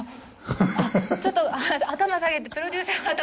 あっちょっと頭下げてプロデューサーが。